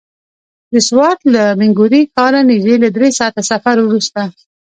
د سوات له مينګورې ښاره نژدې له دری ساعته سفر وروسته.